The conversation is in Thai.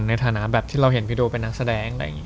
ในฐานะแบบที่เราเห็นพี่โด่เป็นนักแสดง